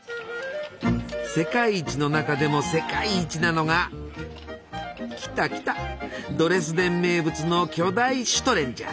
世界一の中でも世界一なのがきたきたドレスデン名物の巨大シュトレンじゃ！